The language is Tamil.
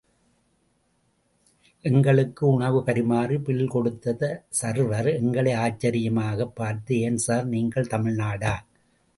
எங்களுக்கு உணவு பரிமாறி பில் கொடுத்த சர்வர் எங்களை ஆச்சரியமாகப் பார்த்து ஏன் சார் நீங்கள் தமிழ்நாடா?